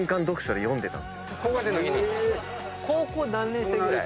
高校何年生ぐらい？